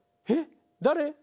えっ誰？